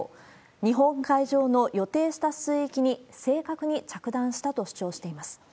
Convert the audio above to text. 日本海上の予定した水域に正確に着弾したと主張しています。